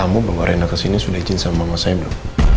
hei kamu bawa rena kesini sudah izin sama mama saya belum